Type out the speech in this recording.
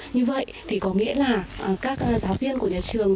như vậy thì có nghĩa là các giáo viên của nhà trường